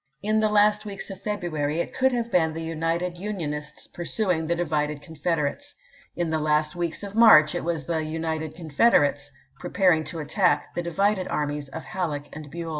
In the last weeks of February it could have been the united Unionists pursuing the di vided Confederates. In the last weeks of March it was the united Confederates preparing to attack the divided armies of Halleck and BueU.